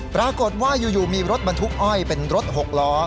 ปรากฏว่าอยู่มีรถบรรทุกอ้อยเป็นรถ๖ล้อ